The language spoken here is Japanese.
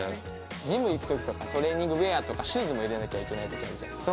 ジム行く時とかトレーニングウェアとかシューズも入れなきゃいけない時あるじゃないですか。